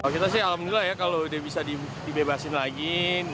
kita sih alhamdulillah ya kalau udah bisa dibebasin lagi